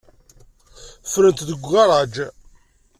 Ffrent deg ugaṛaj.